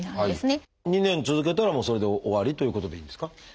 ２年続けたらもうそれで終わりということでいいんですか？